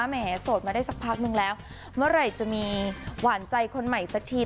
แหมโสดมาได้สักพักนึงแล้วเมื่อไหร่จะมีหวานใจคนใหม่สักที